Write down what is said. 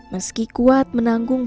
meski kuat menanggung